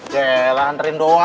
jel anterin doang